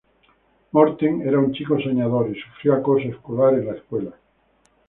Morten era un chico soñador y sufrió acoso escolar en la escuela.